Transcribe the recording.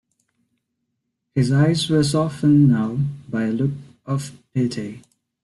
His eyes were softened now by a look of pity.